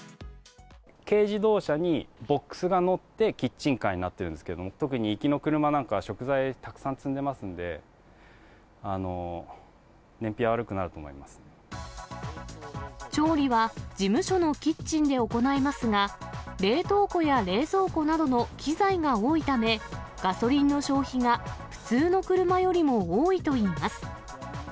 軽自動車にボックスが載ってキッチンカーになってるんですけど、特に行きの車なんかは、食材たくさん積んでますので、調理は、事務所のキッチンで行いますが、冷凍庫や冷蔵庫などの機材が多いため、ガソリンの消費が、普通の車よりも多いといいます。